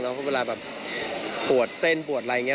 เพราะเวลาปวดเส้นปวดอะไรอย่างนี้